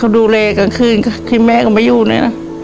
ดูเลกันคืนที่แม่ก็ไม่อยู่นะ